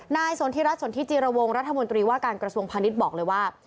สนทิรัฐสนทิจิรวงรัฐมนตรีว่าการกระทรวงพาณิชย์บอกเลยว่า